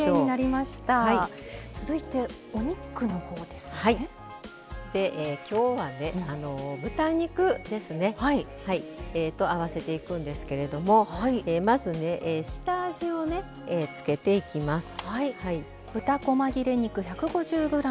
で今日はね豚肉ですねと合わせていくんですけれどもまずね下味をね付けていきます。